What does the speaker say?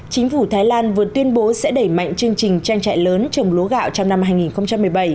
chính phủ thái lan vừa tuyên bố sẽ đẩy mạnh chương trình trang trại lớn trồng lúa gạo trong năm hai nghìn một mươi bảy